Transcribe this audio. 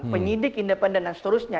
penyidik independen dan seterusnya